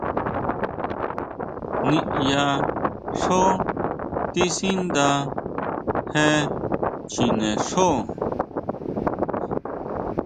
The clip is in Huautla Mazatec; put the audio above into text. ¿Niyá xjo tisanda je chjine xjo?